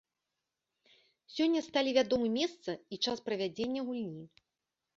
Сёння сталі вядомы месца і час правядзення гульні.